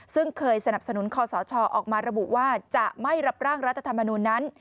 ซึ่งเคยสนับสนุนคอสชออกมาระบุว่าจะไม่รับร่างรัฐธรรมนูลนั้น